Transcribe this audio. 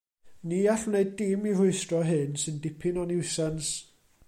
Ni all wneud dim i rwystro hyn, sy'n dipyn o niwsans.